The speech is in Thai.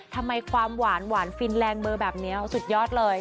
ทำไมความหวานฟินแรงเบอร์แบบนี้สุดยอดเลย